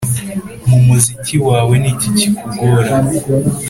mu muziki wawe niki kikugora,